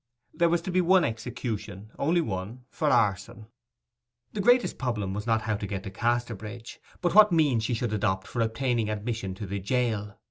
There was to be one execution—only one—for arson. Her greatest problem was not how to get to Casterbridge, but what means she should adopt for obtaining admission to the jail.